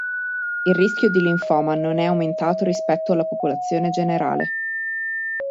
Il rischio di linfoma non è aumentato rispetto alla popolazione generale.